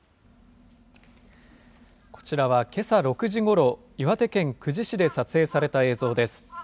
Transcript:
こちらはけさ６時ごろ、岩手県久慈市で撮影された映像です。